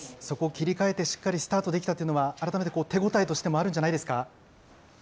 そこ切り替えてしっかりスタートできたというのは、改めて手応えとしてもあるんじゃないですか。